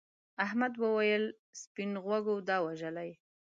احمد وویل سپین غوږو دا وژلي.